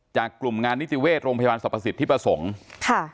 จากกลุ่มงานนิติเวชโรงพยาบาลสรรพสิทธิประสงค์ค่ะ